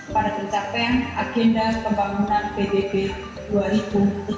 pada pencapaian agenda pembangunan bdb dua ribu tiga puluh